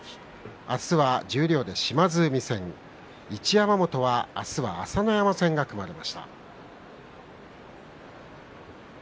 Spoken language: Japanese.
明日は十両で島津海戦一山本は明日は朝乃山戦が組まれました。